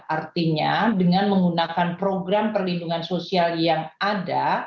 artinya dengan menggunakan program perlindungan sosial yang ada